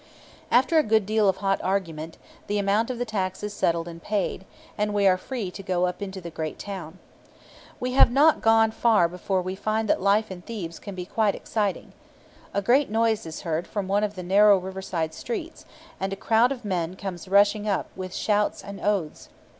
After a good deal of hot argument, the amount of the tax is settled and paid, and we are free to go up into the great town. We have not gone far before we find that life in Thebes can be quite exciting. A great noise is heard from one of the narrow riverside streets, and a crowd of men comes rushing up with shouts and oaths.